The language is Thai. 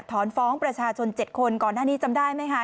ถอนฟ้องประชาชน๗คนก่อนหน้านี้จำได้ไหมคะ